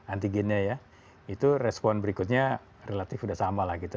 antigennya ya itu respon berikutnya relatif udah sama lah gitu